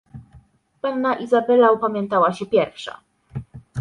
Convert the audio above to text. "Panna Izabela opamiętała się pierwsza."